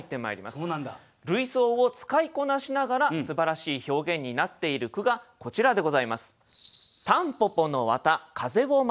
類想を使いこなしながらすばらしい表現になっている句がこちらでございます。